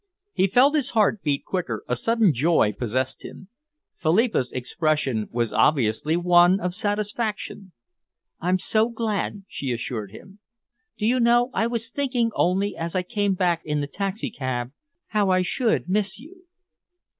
He felt his heart beat quicker, a sudden joy possessed him. Philippa's expression was obviously one of satisfaction. "I'm so glad," she assured him. "Do you know, I was thinking only as I came back in the taxicab, how I should miss you."